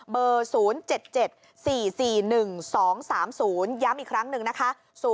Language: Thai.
เบอร์๐๗๗๔๔๑๒๓๐ย้ำอีกครั้งหนึ่งนะคะ